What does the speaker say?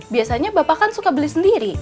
biasanya bapak kan suka beli sendiri